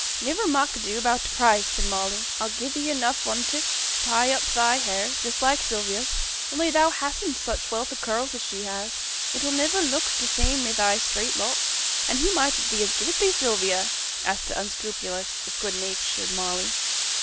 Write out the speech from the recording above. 'Niver mak' ado about t' price,' said Molly; 'I'll gi'e thee enough on 't to tie up thy hair, just like Sylvia's. Only thou hastn't such wealth o' curls as she has; it'll niver look t' same i' thy straight locks. And who might it be as give it thee, Sylvia?' asked the unscrupulous, if good natured Molly.